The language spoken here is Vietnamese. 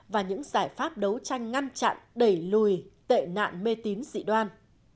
và những giải pháp đấu tranh ngăn chặn đẩy lùi tệ nạn mê tín dị đoan